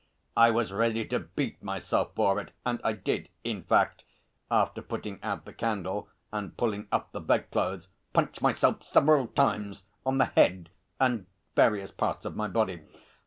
I was ready to beat myself for it, and I did, in fact, after putting out the candle and pulling up the bedclothes, punch myself several times on the head and various parts of my body.